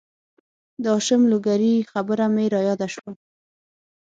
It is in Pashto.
د هاشم لوګرې خبره مې را یاده شوه